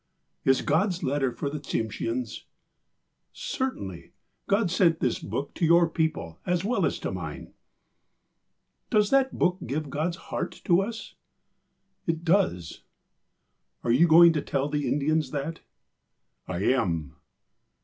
" Is God's letter for the Tsimsheans ^" "Certainly. God sent this Book to your people, as well as to mine." " Does that Book give God's ' heart ' to us? " ''It does." "And are you going to tell the Indians that ?"~" "I am."